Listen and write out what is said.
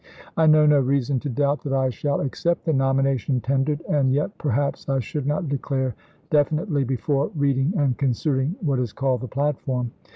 I know no reason to doubt that I shall accept the nomination tendered ; and yet perhaps I should not declare definitely before reading and considering what is called the platform.